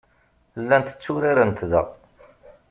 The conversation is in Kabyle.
Llant tturarent da.